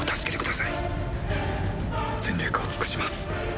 全力を尽くします。